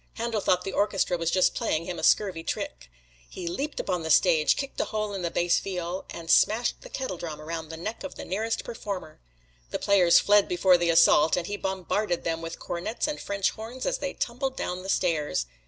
Handel thought the orchestra was just playing him a scurvy trick. He leaped upon the stage, kicked a hole in the bass viol, and smashed the kettledrum around the neck of the nearest performer. The players fled before the assault, and he bombarded them with cornets and French horns as they tumbled down the stairs.